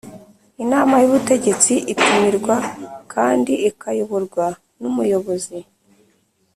Inama y ubutegetsi itumirwa kandi ikayoborwa n’umuyobozi